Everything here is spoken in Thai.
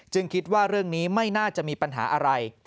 คิดว่าเรื่องนี้ไม่น่าจะมีปัญหาอะไร